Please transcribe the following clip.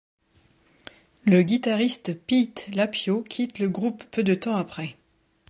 Le guitariste Pete Lapio quitte le groupe peu de temps après.